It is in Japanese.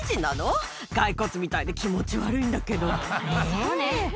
そうね。